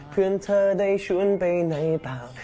เพื่อนเธอได้ชวนไปไหนเปล่า